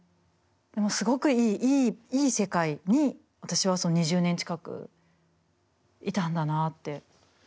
すごくいい世界に私は２０年近くいたんだなって。